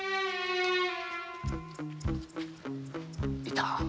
いた！